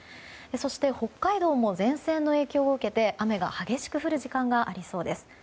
そして、北海道も前線の影響を受けて雨が激しく降る時間がありそうです。